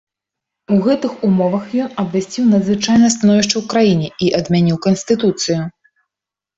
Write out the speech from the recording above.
У гэтых умовах ён абвясціў надзвычайнае становішча ў краіне і адмяніў канстытуцыю.